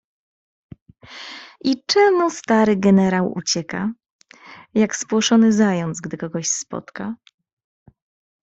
"I czemu stary generał ucieka, jak spłoszony zając, gdy kogo spotka?"